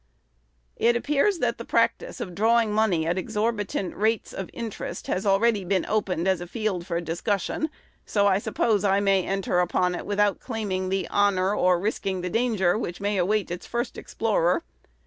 It appears that the practice of drawing money at exorbitant rates of interest has already been opened as a field for discussion; so I suppose I may enter upon it without claiming the honor, or risking the danger, which may await its first explorer.